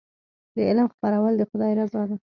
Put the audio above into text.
د علم خپرول د خدای رضا ده.